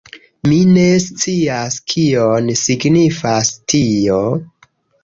Mi ne scias kion signifas tio?